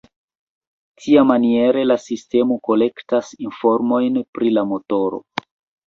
Tiamaniere la sistemo kolektas informojn pri la motoro.